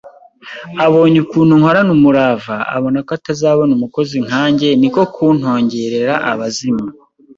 abonye ukuntu nkorana umurava abona ko atazabona umukozi nkanjye ni ko kuntongera abazimu